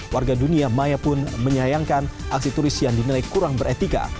warga dunia maya pun menyayangkan aksi turis yang dinilai kurang beretika